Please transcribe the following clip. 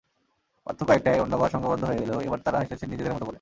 পার্থক্য একটাই, অন্যবার সংঘবদ্ধ হয়ে এলেও এবার তাঁরা এসেছেন নিজেদের মতো করে।